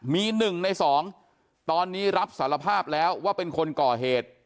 มี๑ใน๒ตอนนี้รับสารภาพแล้วว่าเป็นคนก่อเหตุ